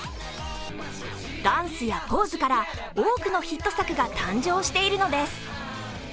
ダンスやポーズから多くのヒット作が誕生しているのです。